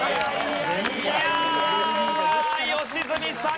いやあ良純さん